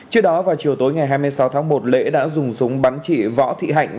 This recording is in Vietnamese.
trước đó vào chiều tối ngày hai mươi sáu tháng một lễ đã dùng súng bắn chị võ thị hạnh